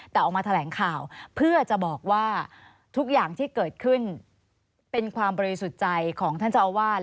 แต่ออกมาแถลงข่าวเพื่อจะบอกว่าทุกอย่างที่เกิดขึ้นเป็นความบริสุทธิ์ใจของท่านเจ้าอาวาส